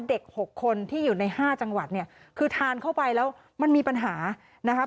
หกคนที่อยู่ในห้าจังหวัดเนี่ยคือทานเข้าไปแล้วมันมีปัญหานะคะ